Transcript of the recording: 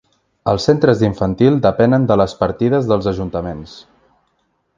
Els centres d’infantil depenen de les partides dels ajuntaments.